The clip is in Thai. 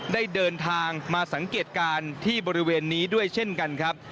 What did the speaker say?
ได้เดินทางมาสังเกตการณ์ที่บริเวณนี้ด้วยเช่นกันครับ